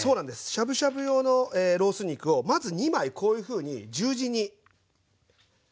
しゃぶしゃぶ用のロース肉をまず２枚こういうふうに十字に並べときます。